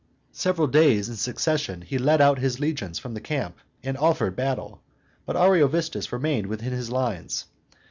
Several days in succession he led out his legions from their camp, and offered battle; but Ariovistus remained within his lines.